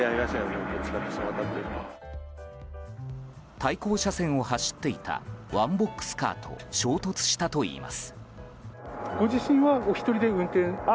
対向車線を走っていたワンボックスカーと衝突したといいます。